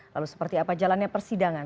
lalu seperti apa jalannya persidangan